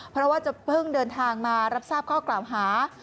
เพราะว่าจะเพิ่งเดินทางมารับทราบข้อกล่าวหา